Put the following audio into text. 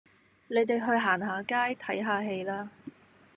你哋去行下街，睇下戲啦